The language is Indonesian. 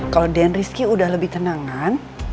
kalau dan rizky udah lebih tenangan